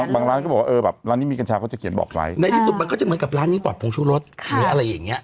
ร้านก็บอกว่าเออแบบร้านนี้มีกัญชาเขาจะเขียนบอกไว้ในที่สุดมันก็จะเหมือนกับร้านนี้ปอดผงชูรสหรืออะไรอย่างเงี้